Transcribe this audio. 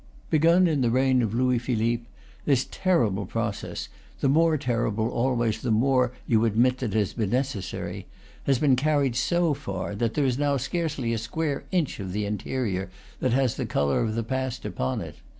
Begun in the reign of Louis Philippe, this terrible process the more terrible always the more you admit that it has been necessary has been carried so far that there is now scarcely a square inch of the interior that has the color of the past upon it.